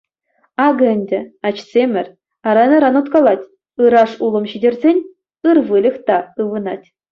Акӑ ӗнтӗ, ачсемӗр, аран-аран уткалать: ыраш улӑм ҫитерсен, ыр выльӑх та ывӑнать.